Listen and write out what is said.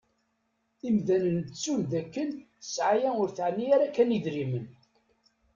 Imdanen ttun d akken sɛaya ur teɛni ara kan idrimen.